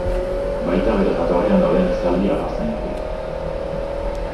Baita bere jatorrian dauden zaldi arrazengatik.